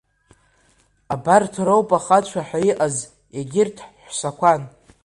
Абарҭ роуп ахацәа ҳәа иҟаз, егьырҭ ҳәсақәан…